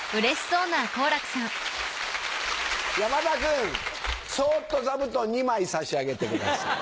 山田君そっと座布団２枚差し上げてください。